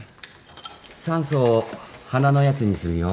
酸素を鼻のやつにするよ